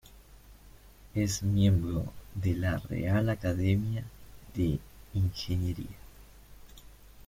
Es miembro de la Real Academia de Ingeniería.